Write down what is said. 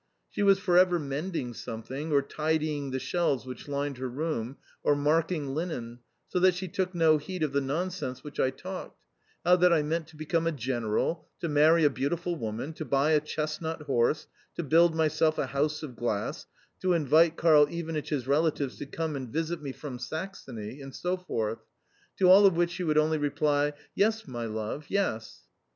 She was forever mending something, or tidying the shelves which lined her room, or marking linen, so that she took no heed of the nonsense which I talked how that I meant to become a general, to marry a beautiful woman, to buy a chestnut horse, to, build myself a house of glass, to invite Karl Ivanitch's relatives to come and visit me from Saxony, and so forth; to all of which she would only reply, "Yes, my love, yes."